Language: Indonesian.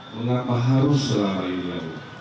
mengapa harus selama ini